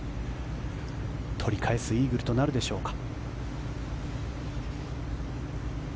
取り返すイーグルとなるでしょうか。